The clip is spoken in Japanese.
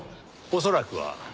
恐らくは。